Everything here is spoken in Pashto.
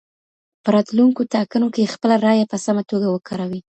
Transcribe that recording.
په راتلونکو ټاکنو کي خپله رايه په سمه توګه وکاروئ.